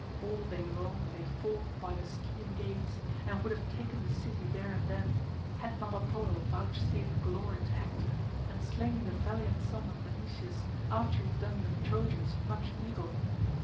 All day long they fought by the Scaean gates and would have taken the city there and then, had not Apollo vouchsafed glory to Hector and slain the valiant son of Menoetius after he had done the Trojans much evil.